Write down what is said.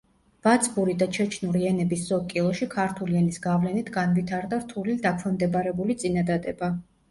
ბაცბური და ჩეჩნური ენების ზოგ კილოში ქართული ენის გავლენით განვითარდა რთული დაქვემდებარებული წინადადება.